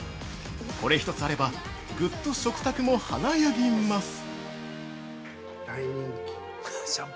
これ一つあればぐっと食卓も華やぎます。